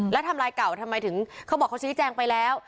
แล้วทำลายเก่าทำไมถึงเขาบอกเขาชี้แจงไปแล้ว